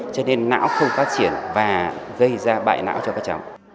cho nên não không phát triển và gây ra bại não cho các cháu